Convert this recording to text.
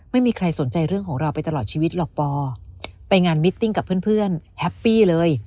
ไม่มีใครสนใจเรื่องของเราไปตลอดชีวิตหรอกปอไปงานมิตติ้งกับเพื่อนแฮปปี้เลย